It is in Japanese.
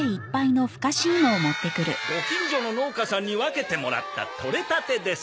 ご近所の農家さんに分けてもらった取れたてです。